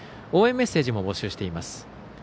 応援メッセージも募集しています。